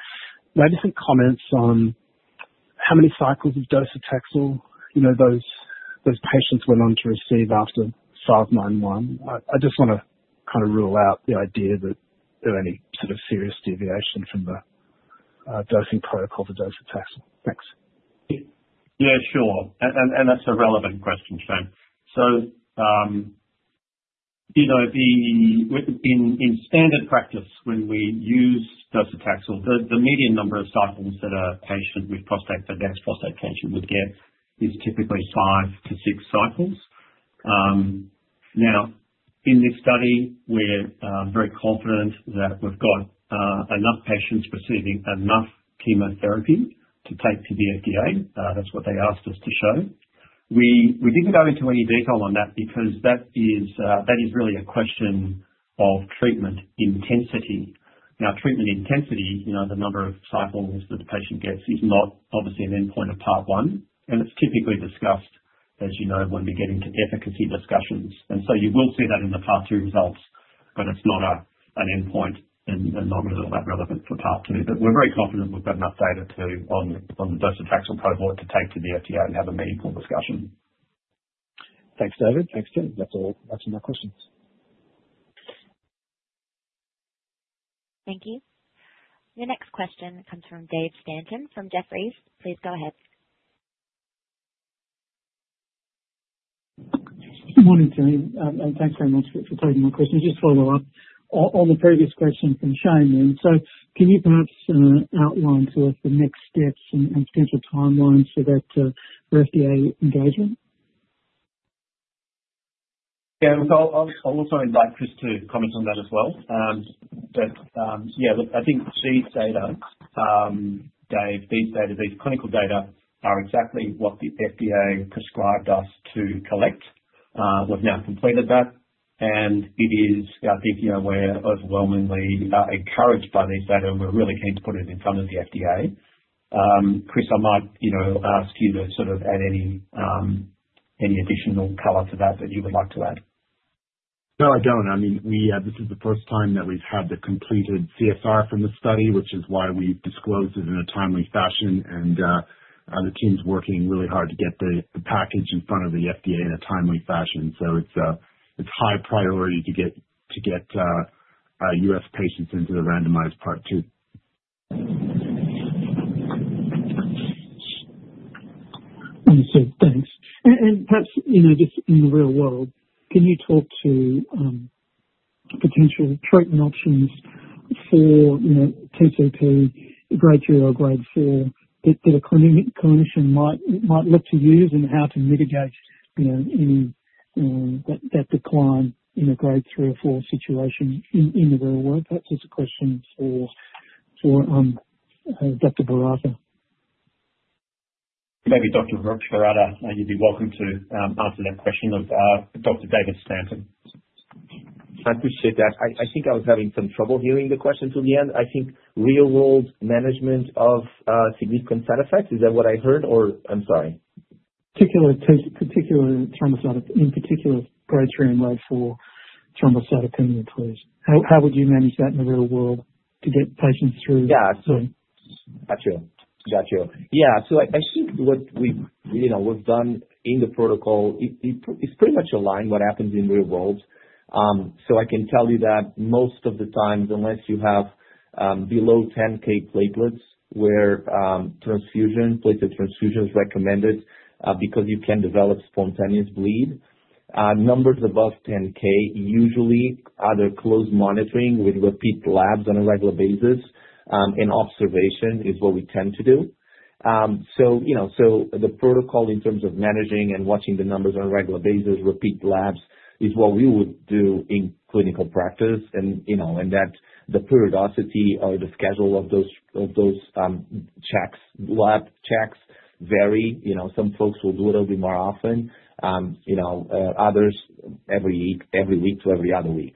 maybe some comments on how many cycles of docetaxel, you know, those patients went on to receive after TLX591. I just wanna kinda rule out the idea that there were any sort of serious deviation from the dosing protocol for docetaxel. Thanks. Yeah, sure. That's a relevant question, Shane. In standard practice, when we use docetaxel, the median number of cycles that a patient with advanced prostate cancer would get is typically five to six cycles. In this study, we're very confident that we've got enough patients receiving enough chemotherapy to take to the FDA. That's what they asked us to show. We didn't go into any detail on that because that is really a question of treatment intensity. Treatment intensity, the number of cycles that the patient gets is not obviously an endpoint of Part 1, and it's typically discussed when we get into efficacy discussions. You will see that in the Part 2 results, but it's not an endpoint and not really that relevant for Part 2. We're very confident we've got enough data on the docetaxel protocol to take to the FDA and have a meaningful discussion. Thanks, David. Thanks, team. That's all. That's all my questions. Thank you. The next question comes from Dave Stanton from Jefferies. Please go ahead. Good morning, team. Thanks very much for taking my questions. Just to follow up on the previous question from Shane then. Can you perhaps outline for us the next steps and potential timelines for that for FDA engagement? Look, I'll also invite Chris to comment on that as well. I think these data, Dave, these clinical data are exactly what the FDA prescribed us to collect. We've now completed that, and it is, I think, you know, we're overwhelmingly encouraged by this data, and we're really keen to put it in front of the FDA. Chris, I might, you know, ask you to sort of add any additional color to that that you would like to add. No, I don't. I mean, this is the first time that we've had the completed CSR from the study, which is why we've disclosed it in a timely fashion, and the team's working really hard to get the package in front of the FDA in a timely fashion. It's high priority to get U.S. patients into the randomized Part 2. Understood. Thanks. Perhaps, you know, just in the real world, can you talk about potential treatment options for, you know, TCP, Grade 3 or Grade 4 that a clinician might look to use and how to mitigate, you know, any that decline in a Grade 3 or 4 situation in the real world? Perhaps it's a question for Dr. Barata. Maybe Dr. Barata, you'd be welcome to answer that question of Dr. David Stanton. I appreciate that. I think I was having some trouble hearing the question till the end. I think real world management of significant side effects. Is that what I heard? I'm sorry. In particular, Grade 3 and Grade 4 thrombocytopenia, please. How would you manage that in the real world to get patients through? Yeah. Got you. Yeah. I think what we've, you know, we've done in the protocol it's pretty much aligned what happens in real world. I can tell you that most of the times, unless you have below 10,000 platelets where transfusion, platelet transfusion is recommended, because you can develop spontaneous bleed. Numbers above 10,000 usually under close monitoring with repeat labs on a regular basis, and observation is what we tend to do. You know, the protocol in terms of managing and watching the numbers on a regular basis, repeat labs, is what we would do in clinical practice. You know, that the periodicity or the schedule of those checks, lab checks vary. You know, some folks will do a little bit more often. You know, every week to every other week.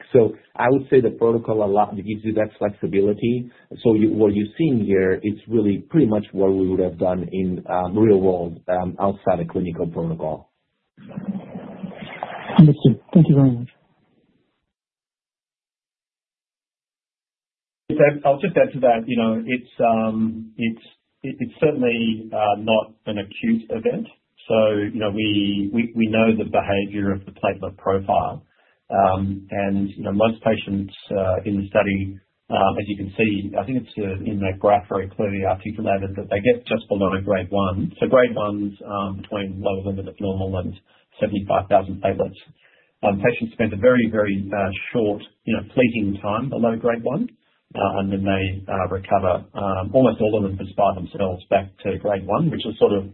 I would say the protocol allows you that flexibility. What you're seeing here is really pretty much what we would have done in the real world outside a clinical protocol. Understood. Thank you very much. I'll just add to that. You know, it's certainly not an acute event. You know, we know the behavior of the platelet profile. And, you know, most patients in the study, as you can see, I think it's in that graph very clearly articulated that they get just below Grade 1. Grade 1's between lower limit of normal and 75,000 platelets. Patients spend a very short, you know, fleeting time below Grade 1, and then they recover, almost all of them just by themselves back to Grade 1, which is sort of,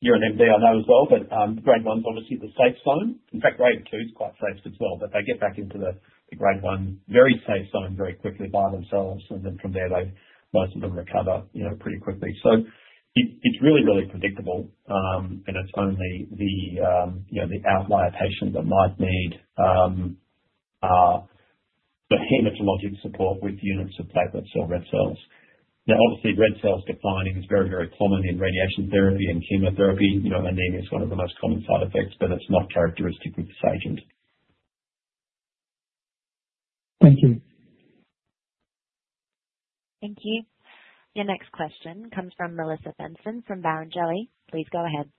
you're an M.D. I know as well, but, Grade 1's obviously the safe zone. In fact, Grade 2 is quite safe as well. They get back into the Grade 1 very safe zone very quickly by themselves, and then from there, most of them recover, you know, pretty quickly. It's really, really predictable, and it's only the, you know, the outlier patient that might need the hematologic support with units of platelets or red cells. Now, obviously red cells declining is very, very common in radiation therapy and chemotherapy. You know, anemia is one of the most common side effects, but it's not characteristic with this agent. Thank you. Thank you. Your next question comes from Melissa Benson from Barrenjoey. Please go ahead.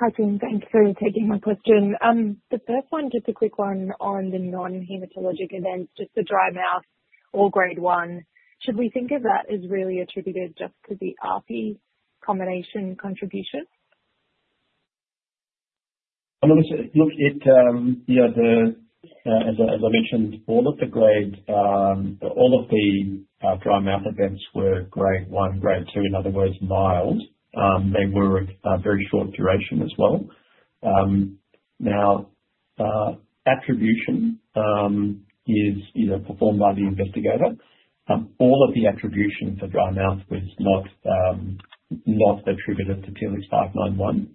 Hi, team. Thanks for taking my question. The first one, just a quick one on the non-hematologic events, just the dry mouth, all Grade 1. Should we think of that as really attributed just to the ARPI combination contribution? Melissa, look, as I mentioned, all of the dry mouth events were Grade 1, Grade 2, in other words, mild. They were a very short duration as well. Now, attribution is, you know, performed by the investigator. All of the attribution for dry mouth was not attributed to TLX591.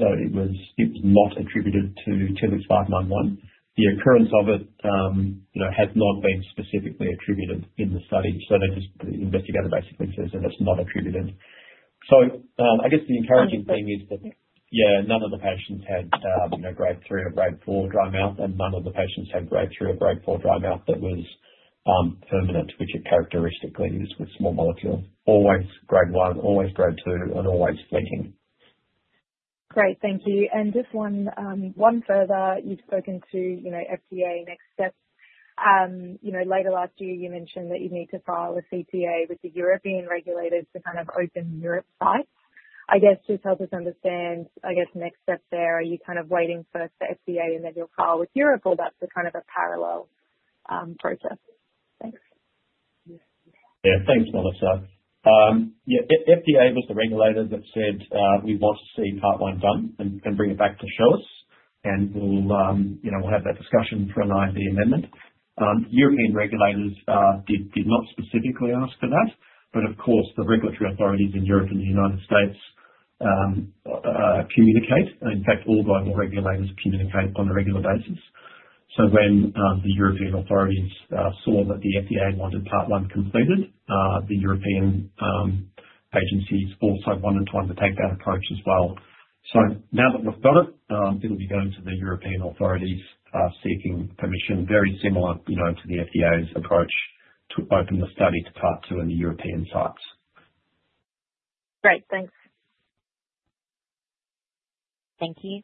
So it was, it's not attributed to TLX591. The occurrence of it has not been specifically attributed in the study, so the investigator basically says that it's not attributed. I guess the encouraging thing is that. Okay. Yeah, none of the patients had, you know, Grade 3 or Grade 4 dry mouth, and none of the patients had Grade 3 or Grade 4 dry mouth that was, permanent, which it characteristically is with small molecules. Always Grade 1, always Grade 2, and always fleeting. Great. Thank you. Just one further. You've spoken to, you know, FDA next steps. You know, later last year, you mentioned that you need to file a CTA with the European regulators to kind of open Europe sites. I guess just help us understand, I guess, next steps there. Are you kind of waiting first for FDA and then you'll file with Europe, or that's a kind of a parallel process? Thanks. Yeah. Thanks, Melissa. Yeah, FDA was the regulator that said, we want to see Part 1 done and bring it back to show us, and we'll, you know, we'll have that discussion for an IND amendment. European regulators did not specifically ask for that, but of course, the regulatory authorities in Europe and the United States communicate. In fact, all global regulators communicate on a regular basis. When the European authorities saw that the FDA wanted Part 1 completed, the European agencies also wanted to undertake that approach as well. Now that we've got it'll be going to the European authorities seeking permission, very similar, you know, to the FDA's approach to open the study to Part 2 in the European sites. Great. Thanks. Thank you.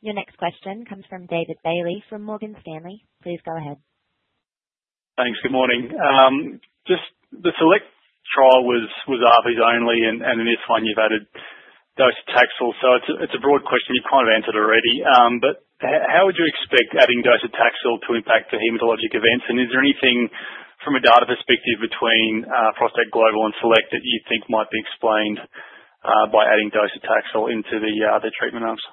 Your next question comes from David Bailey from Morgan Stanley. Please go ahead. Thanks. Good morning. Just the SELECT trial was ARPI's only, and in this one you've added docetaxel. It's a broad question you've kind of answered already. But how would you expect adding docetaxel to impact the hematologic events? And is there anything from a data perspective between ProstACT Global and SELECT that you think might be explained by adding docetaxel into the treatment arms?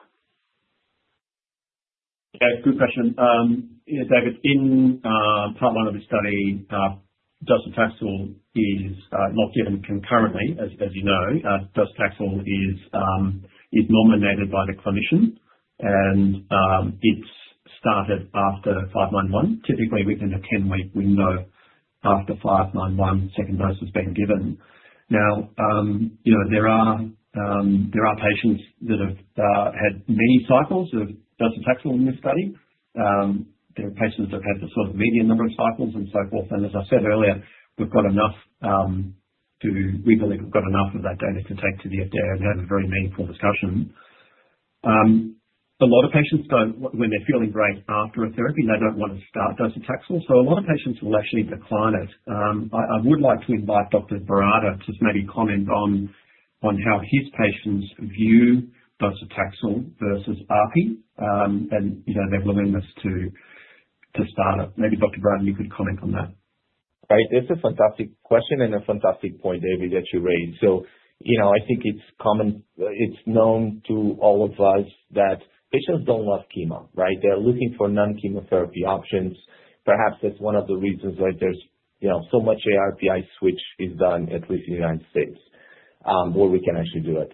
Yeah, good question. You know, David, in Part 1 of the study, docetaxel is not given concurrently, as you know. Docetaxel is nominated by the clinician, and it's started after five-one-one, typically within a 10-week window after TLX591 second dose has been given. Now, you know, there are patients that have had many cycles of docetaxel in this study. There are patients that have the sort of median number of cycles and so forth. As I said earlier, we've got enough. We believe we've got enough of that data to take to the FDA and have a very meaningful discussion. A lot of patients don't want to start docetaxel when they're feeling great after a therapy, so a lot of patients will actually decline it. I would like to invite Dr. Barata to maybe comment on how his patients view docetaxel versus ARPI. You know, their willingness to start it. Maybe, Dr. Barata, you could comment on that. Right. It's a fantastic question and a fantastic point, David, that you raise. You know, I think it's common, it's known to all of us that patients don't want chemo, right? They're looking for non-chemotherapy options. Perhaps that's one of the reasons why there's, you know, so much ARPI switch is done, at least in the United States, where we can actually do it.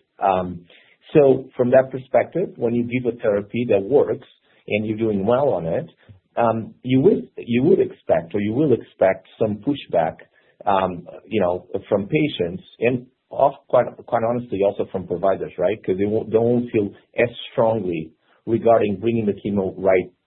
From that perspective, when you give a therapy that works and you're doing well on it, you will, you would expect or you will expect some pushback, you know, from patients and and quite honestly, also from providers, right? 'Cause they won't feel as strongly regarding bringing the chemo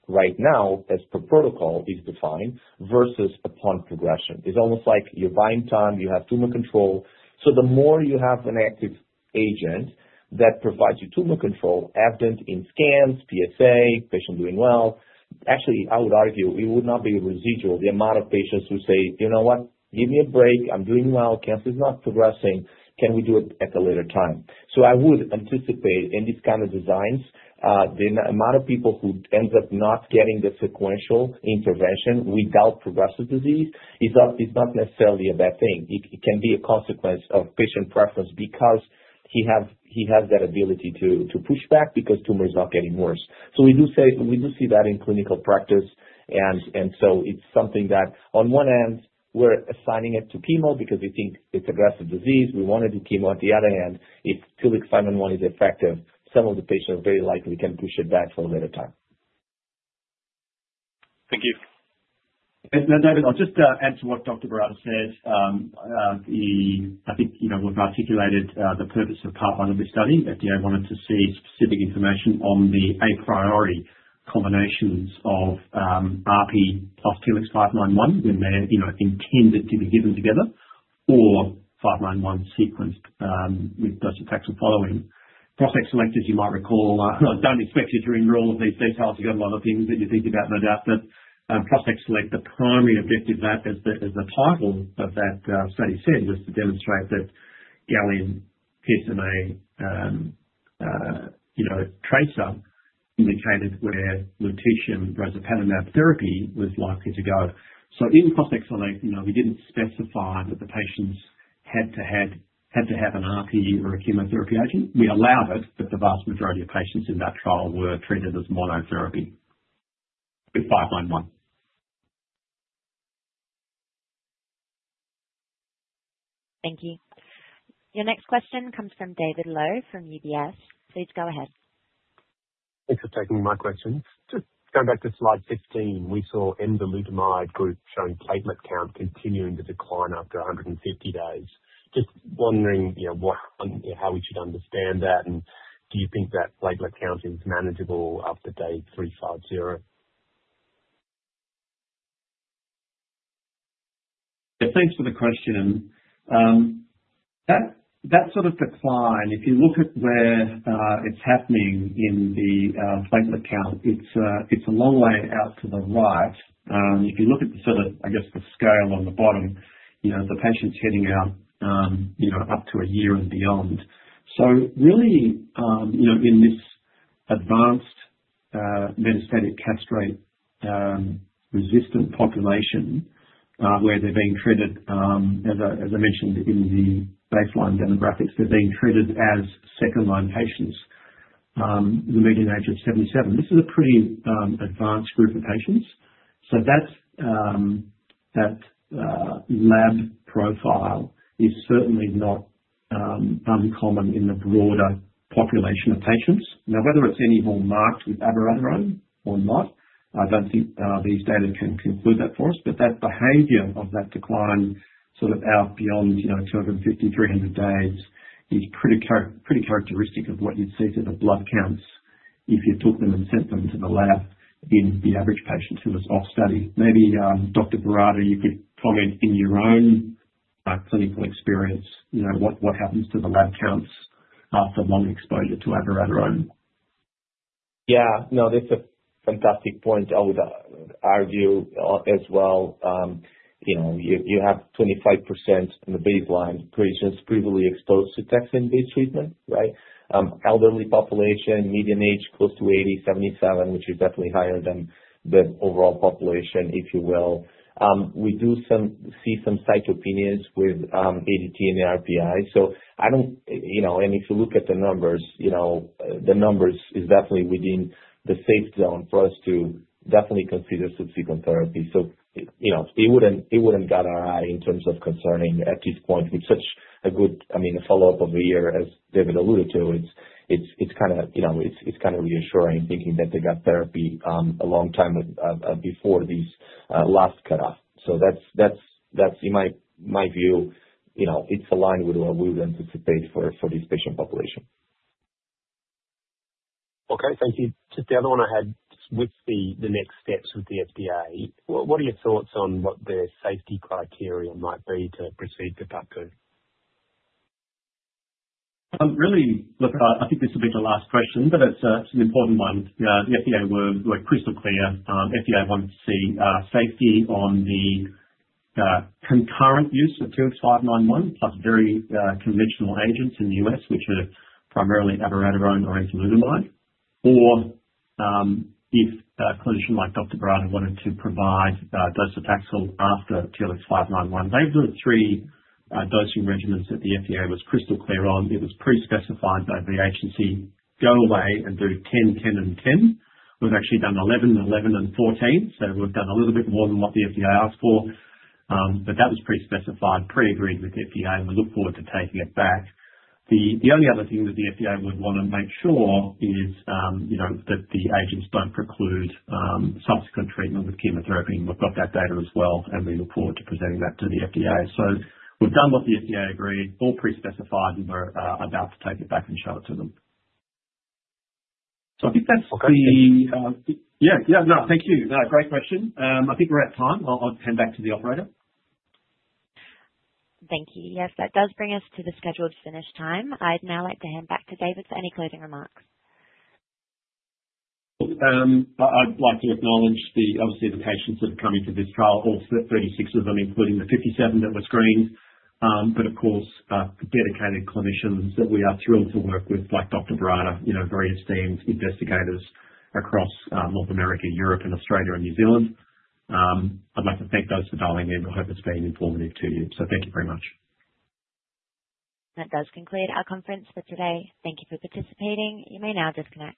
right now as per protocol is defined versus upon progression. It's almost like you're buying time, you have tumor control. The more you have an active agent that provides you tumor control, evident in scans, PSA, patient doing well. Actually, I would argue it would not be residual, the amount of patients who say, "You know what? Give me a break. I'm doing well. Cancer is not progressing. Can we do it at a later time?" I would anticipate in these kind of designs, the n-amount of people who end up not getting the sequential intervention without progressive disease is not necessarily a bad thing. It can be a consequence of patient preference because he has that ability to push back because tumor is not getting worse. We do see that in clinical practice and so it's something that on one end, we're assigning it to chemo because we think it's aggressive disease, we wanna do chemo. On the other hand, if TLX591 is effective, some of the patients very likely can push it back for a later time. Thank you. Now, David, I'll just add to what Dr. Barata said. I think, you know, we've articulated the purpose of Part 1 of this study. FDA wanted to see specific information on the priority combinations of ARPI plus TLX591 when they're intended to be given together or TLX591 sequenced with docetaxel following. ProstACT SELECT, as you might recall, no, I don't expect you to remember all of these details. You've got a lot of things that you're thinking about, no doubt. ProstACT SELECT, the primary objective that, as the title of that study said, was to demonstrate that gallium PSMA tracer indicated where lutetium and rosopatamab therapy was likely to go. In ProstACT SELECT, you know, we didn't specify that the patients had to have an ARPI or a chemotherapy agent. We allowed it, but the vast majority of patients in that trial were treated as monotherapy with TLX591. Thank you. Your next question comes from David Low from UBS. Please go ahead. Thanks for taking my question. Just going back to slide 15, we saw enzalutamide group showing platelet count continuing to decline after 150 days. Just wondering, you know, what, you know, how we should understand that, and do you think that platelet count is manageable after day 350? Yeah. Thanks for the question. That sort of decline, if you look at where it's happening in the platelet count, it's a long way out to the right. If you look at the sort of, I guess, the scale on the bottom, you know, the patient's heading out, you know, up to a year and beyond. Really, in this advanced metastatic castration-resistant population, where they're being treated, as I mentioned in the baseline demographics, they're being treated as second-line patients. The median age of 77. This is a pretty advanced group of patients. That lab profile is certainly not uncommon in the broader population of patients. Now, whether it's any more marked with abiraterone or not, I don't think these data can conclude that for us. That behavior of that decline sort of out beyond, you know, 250-300 days is pretty characteristic of what you'd see in the blood counts if you took them and sent them to the lab in the average patient who was off study. Maybe Dr. Barata, you could comment in your own clinical experience, you know, what happens to the lab counts after long exposure to abiraterone. Yeah. No, that's a fantastic point. I would argue as well, you know, you have 25% in the baseline patients previously exposed to taxane-based treatment, right? Elderly population, median age close to 80, 77, which is definitely higher than the overall population, if you will. We see some cytopenias with ADT and ARPI. I don't, you know. If you look at the numbers, you know, the numbers is definitely within the safe zone for us to definitely consider subsequent therapy. You know, it wouldn't guide our eye in terms of concerning at this point with such a good, I mean, a follow-up of a year as David alluded to. It's kinda reassuring thinking that they got therapy a long time before these last cutoff. That's in my view. You know, it's aligned with what we would anticipate for this patient population. Okay. Thank you. Just the other one I had, with the next steps with the FDA, what are your thoughts on what their safety criteria might be to proceed to Part 2? Really, look, I think this will be the last question, but it's an important one. The FDA were crystal clear. FDA wanted to see safety on the concurrent use of TLX591, plus very conventional agents in the U.S., which are primarily abiraterone or enzalutamide. Or, if a clinician like Dr. Barata wanted to provide docetaxel after TLX591. They were the three dosing regimens that the FDA was crystal clear on. It was pre-specified by the agency. Go away and do 10, and 10. We've actually done 11, and 14, so we've done a little bit more than what the FDA asked for. That was pre-specified, pre-agreed with the FDA, and we look forward to taking it back. The only other thing that the FDA would wanna make sure is, you know, that the agents don't preclude, subsequent treatment with chemotherapy, and we've got that data as well, and we look forward to presenting that to the FDA. We've done what the FDA agreed, all pre-specified, and we're about to take it back and show it to them. I think that's the. Okay. Yeah. Yeah, no. Thank you. No, great question. I think we're out of time. I'll hand back to the operator. Thank you. Yes, that does bring us to the scheduled finish time. I'd now like to hand back to David for any closing remarks. I'd like to acknowledge obviously the patients that have come into this trial, all 36 of them, including the 57 that were screened. But of course, the dedicated clinicians that we are thrilled to work with, like Dr. Barata, you know, very esteemed investigators across North America, Europe, and Australia, and New Zealand. I'd like to thank those for dialing in. We hope it's been informative to you. Thank you very much. That does conclude our conference for today. Thank you for participating. You may now disconnect.